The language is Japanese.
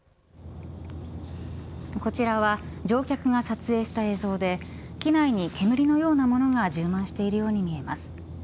こちらは乗客が撮影した映像で機内に煙のようなものが充満しているように見えます。